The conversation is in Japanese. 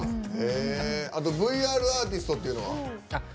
「ＶＲアーティスト」っていうのは？